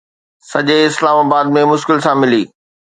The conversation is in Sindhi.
سڄي اسلام آباد ۾ مشڪل سان ملي